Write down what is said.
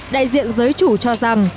đại diện giới chủ cho rằng